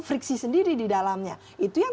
friksi sendiri di dalamnya itu yang